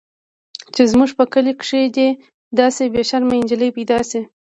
چې زموږ په کلي کښې دې داسې بې شرمه نجلۍ پيدا سي.